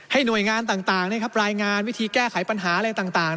ให้หน่วยงานต่างนะครับรายงานวิธีแก้ไขปัญหาก็เลยต่าง